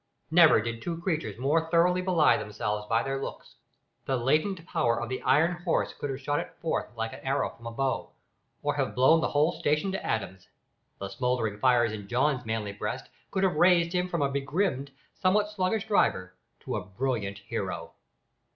Never did two creatures more thoroughly belie themselves by their looks. The latent power of the iron horse could have shot it forth like an arrow from a bow, or have blown the whole station to atoms. The smouldering fires in John's manly breast could have raised him from a begrimed, somewhat sluggish, driver to a brilliant hero.